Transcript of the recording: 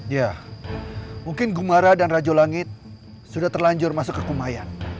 ya mungkin gumara dan rajo langit sudah terlanjur masuk ke kumayan